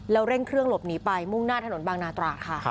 เร่งเครื่องหลบหนีไปมุ่งหน้าถนนบางนาตราดค่ะ